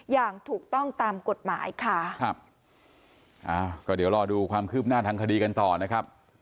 อย่างถูกต้องตามกฎหมายค่ะครับอ่าก็เดี๋ยวรอดูความคืบหน้าทางคดีกันต่อนะครับ